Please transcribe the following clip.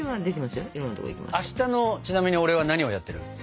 明日のちなみに俺は何をやってる？